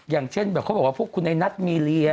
อย่างเช่นแบบเขาบอกว่าพวกคุณไอ้นัทมีเรีย